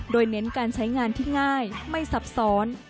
โดยเน้นการใช้งานที่ง่ายไม่ซับซ้อน